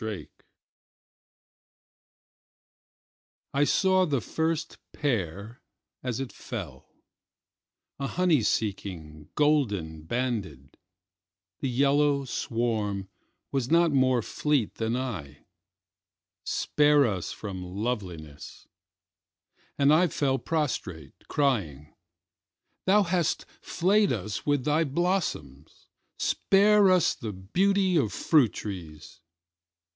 H.D. Orchard I SAW the first pear as it fell the honey seeking, golden banded, the yellow swarm was not more fleet than I, (spare us from loveliness) and I fell prostrate crying: you have flayed us with your blossoms, spare us the beauty of fruit trees.